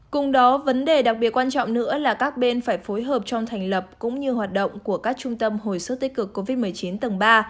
cùng đó vấn đề đặc biệt quan trọng nữa là các bên phải phối hợp trong thành lập cũng như hoạt động của các trung tâm hồi sức tích cực covid một mươi chín tầng ba